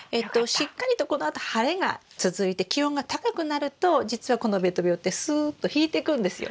しっかりとこのあと晴れが続いて気温が高くなるとじつはこのべと病ってすっと引いてくんですよ。